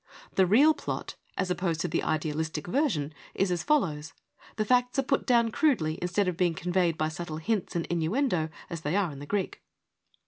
The real plot, as opposed to the idealistic version, is as follows :— the facts are put down crudely instead of being conveyed by subtle hints and innuendo as they are in the Greek.